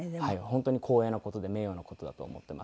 本当に光栄な事で名誉な事だと思っています。